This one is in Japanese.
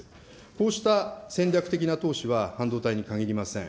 こうした戦略的な投資は半導体に限りません。